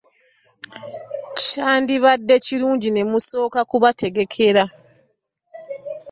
Kyandibadde kirungi ne musooka kubategekera.